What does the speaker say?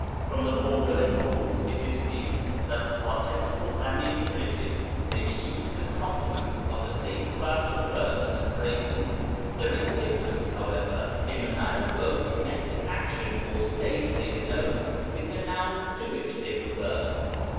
From the foregoing rules it is seen that the Par ticiple and the Infin. may be used as complements of the same class of verbs and phrases. There is a differ ence, however, in the manner both connect the action or state tliey denote with the noun to which they refer.